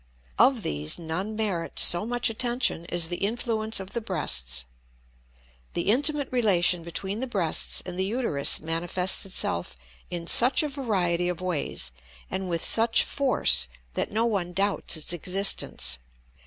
Of these none merits so much attention as the influence of the breasts. The intimate relation between the breasts and the uterus manifests itself in such a variety of ways and with such force that no one doubts its existence.